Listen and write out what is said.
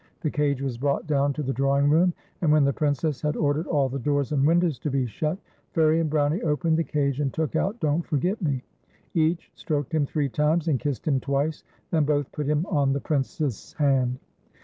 The cage was brought down to the drawing room ; and when the Princess had ordered all the doors and windows to be shut, Fairie and Brownie opened the cage and took out Don't Forget Me. Each stroked him three times and kissed him twice, then both put him on the Princess' hand.